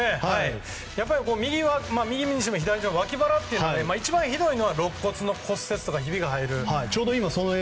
やっぱり右にしても左にしても脇腹で一番ひどいのは肋骨の骨折とかひびが入る。